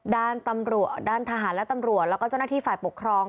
ด้านตำรวจด้านทหารและตำรวจแล้วก็เจ้าหน้าที่ฝ่ายปกครอง